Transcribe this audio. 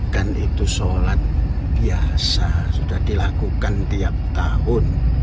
kan itu sholat biasa sudah dilakukan tiap tahun